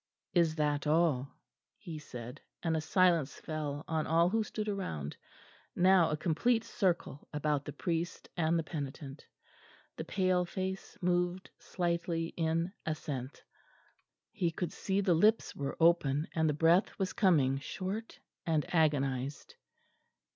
"Is that all?" he said, and a silence fell on all who stood round, now a complete circle about the priest and the penitent. The pale face moved slightly in assent; he could see the lips were open, and the breath was coming short and agonised.